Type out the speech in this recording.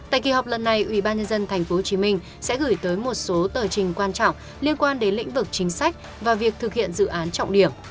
tại kỳ họp lần này ubnd tp hcm sẽ gửi tới một số tờ trình quan trọng liên quan đến lĩnh vực chính sách và việc thực hiện dự án trọng điểm